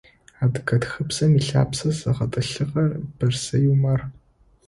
Адыгэ тхыбзэм ылъапсэ зыгъэтӏылъыгъэр Бэрсэй Умар.